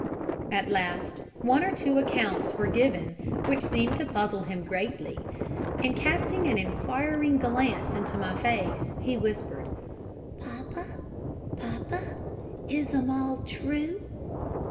At last one or two accounts were given which seemed to puzzle him greatly, and, casting an inquiring glance into my face, he whispered, "Papa, papa! is 'um all true?"